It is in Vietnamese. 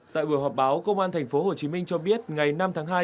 tại buổi họp báo công an tp hcm cho biết ngày năm tháng hai